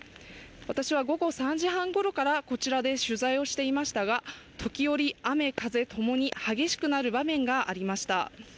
私は午後３時半ごろからこちらで取材していましたが、時折、雨風ともに激しくなる場面がありました。